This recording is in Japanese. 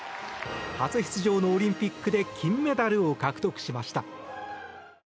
初出場のオリンピックで金メダルを獲得しました。